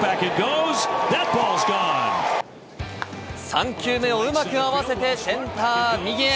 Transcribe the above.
３球目をうまく合わせてセンター右へ。